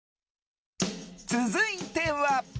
続いては。